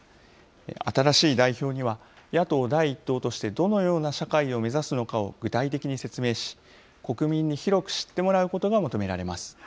新しい代表には、野党第１党として、どのような社会を目指すのかを具体的に説明し、国民に広く知ってもらうことが求められます。